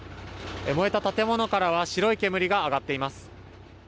燃えた建物からは白い煙が上がっています。